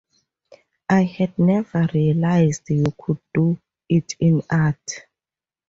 I had never realized you could do it in art.